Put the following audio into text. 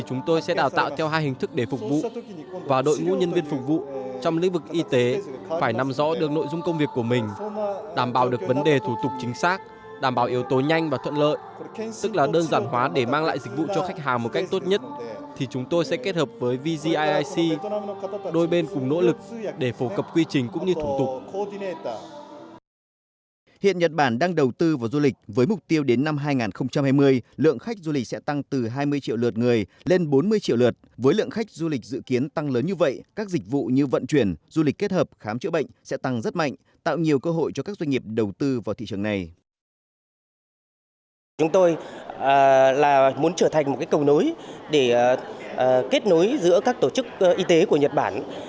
chúng tôi muốn trở thành một cầu nối để kết nối giữa các tổ chức y tế của nhật bản